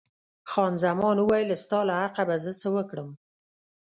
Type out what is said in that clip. خان زمان وویل، ستا له حقه به زه څه وکړم.